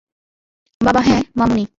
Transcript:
বাবা হ্যাঁ, মামুণি।